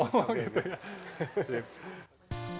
oh gitu ya